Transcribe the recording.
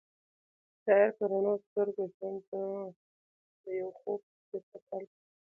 شاعر په رڼو سترګو ژوند ته د یو خوب په څېر کتل.